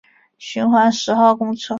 循环十号公车